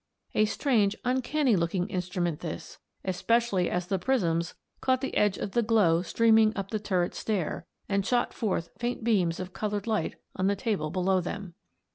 A strange uncanny looking instrument this, especially as the prisms caught the edge of the glow streaming up the turret stair, and shot forth faint beams of coloured light on the table below them.